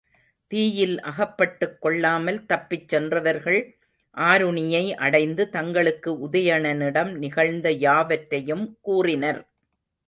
தீயில் அகப்பட்டுக் கொள்ளாமல் தப்பிச் சென்றவர்கள் ஆருணியை அடைந்து, தங்களுக்கு உதயணனிடம் நிகழ்ந்த யாவற்றையும் கூறினர்.